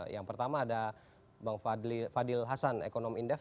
yang pertama ada bang fadil hasan ekonom indef